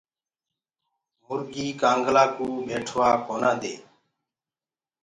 مُرگي ڪآنگلآ ڪوُ بيٽو ڪونآ دي۔